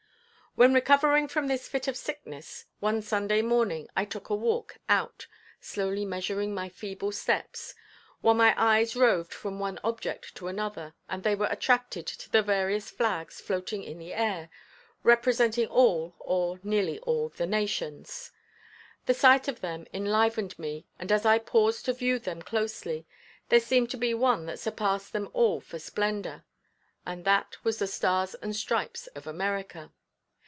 When recovering from this fit of sickness, one Sunday morning I took a walk out, slowly measuring my feeble steps, while my eyes roved from one object to another, and they were attracted to the various flags floating in the air, representing all, or nearly all the nations. The sight of them enlivened me and as I paused to view them closely there seemed to be one that surpassed them all for splendor; and that was the stars and stripes of America.